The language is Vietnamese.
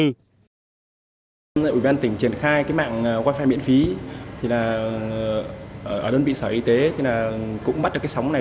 ủy ban tỉnh truyền khai mạng wi fi miễn phí ở đơn vị sở y tế cũng bắt được cái sóng này